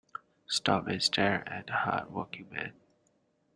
Stop and stare at the hard working man.